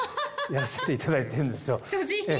やらせていただいてるんですよ。